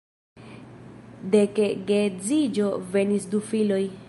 De ke geedziĝo venis du filoj.